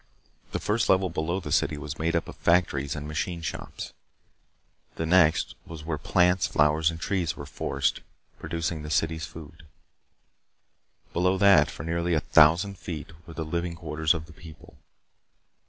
The first level below the city was made up of factories and machine shops. The next was where plants, flowers, and trees were forced, producing the city's food. Below that, for nearly a thousand feet, were the living quarters of the people.